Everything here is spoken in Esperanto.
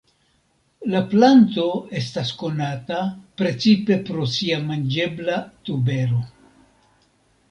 La planto estas konata precipe pro sia manĝebla tubero.